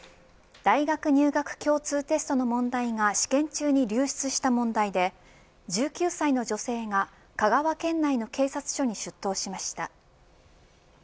大学入学共通テストの問題が試験中に流出した問題で１９歳の女性が香川県内の警察署に出頭しました。